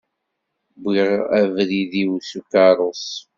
Wwiɣ abrid-iw s ukerrus.